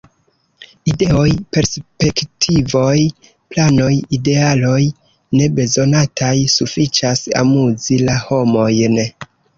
Ideoj, perspektivoj, planoj, idealoj – ne bezonataj; sufiĉas amuzi la homojn.